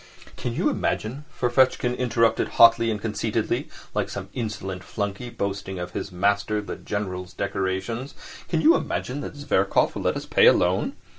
"Can you imagine," Ferfitchkin interrupted hotly and conceitedly, like some insolent flunkey boasting of his master the General's decorations, "can you imagine that Zverkov will let us pay alone?